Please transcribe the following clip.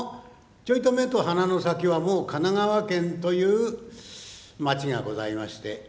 ちょいと目と鼻の先はもう神奈川県という町がございまして。